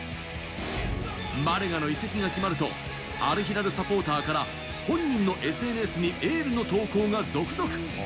マレガの移籍が決まると、アルヒラルサポーターから本人のＳＮＳにエールの投稿が続々。